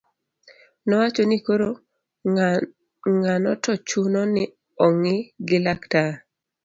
nowacho ni koro ng'ano to chuno ni ong'i gi laktar